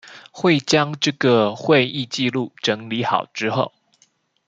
會將這個會議紀錄整理好之後